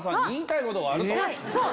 そう！